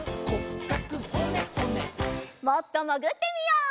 もっともぐってみよう。